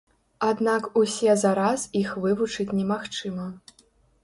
Аднак усе за раз іх вывучыць немагчыма.